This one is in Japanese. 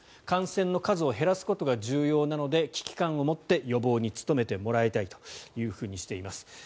感染の数を減らすことが重要なので危機感を持って予防に努めてもらいたいとしています。